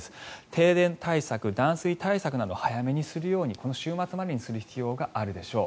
停電対策、断水対策など早めにするようにこの週末までにする必要があるでしょう。